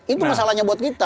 itu masalahnya buat kita